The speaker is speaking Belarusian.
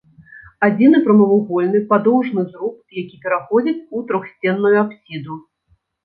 Адзіны прамавугольны падоўжны зруб, які пераходзіць у трохсценную апсіду.